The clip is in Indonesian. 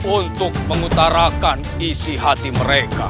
untuk mengutarakan isi hati mereka